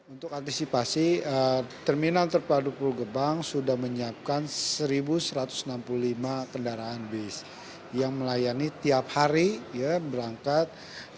untuk antisipasi terminal terpadu pulau gebang sudah menyiapkan satu satu ratus enam puluh lima kendaraan bis yang melayani tiap hari berangkat